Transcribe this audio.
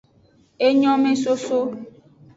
Enyomesoso.